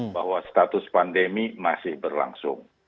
bahwa status pandemi masih berlangsung